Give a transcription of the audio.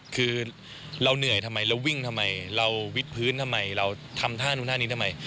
คือเราเหนื่อยทำไมเราวิ่งทำไมเราวิดพื้นทำไมเราทำท่านู้นท่านี้ทำไม